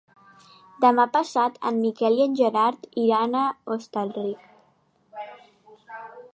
Demà passat en Miquel i en Gerard iran a Hostalric.